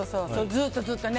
ずっとずっとね。